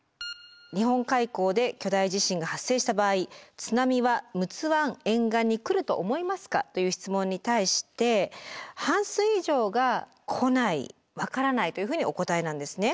「日本海溝で巨大地震が発生した場合津波は陸奥湾沿岸にくると思いますか？」という質問に対して半数以上が「来ない」「わからない」というふうにお答えなんですね。